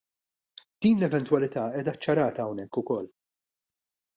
Din l-eventwalità qiegħda ċċarata hawnhekk ukoll.